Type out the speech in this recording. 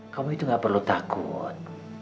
kamu itu gak perlu takut